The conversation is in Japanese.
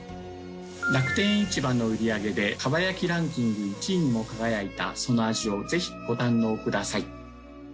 楽天市場の売り上げで蒲焼ランキング１位にも輝いたその味をぜひご堪能ください。